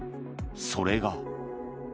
それが。